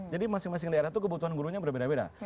jadi masing masing daerah itu kebutuhan gurunya berbeda beda